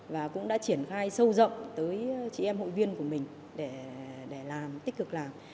và cũng đã triển khai sâu rộng tới chị em hội viên của mình để làm tích cực làm